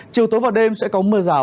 chiều tối vào đêm sẽ có mưa rào